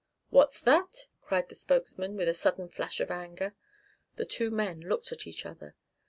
"What's that?" cried the spokesman, with a sudden flash of anger. The two men looked at each other.